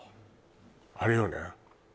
あれよね